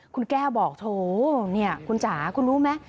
คุณแก้วบอกโอ้คุณจ๋ากูรู้ไหม